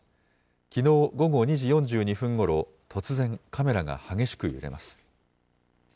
きのう午後２時４２分ごろ、突然、カメラが激しく揺れます。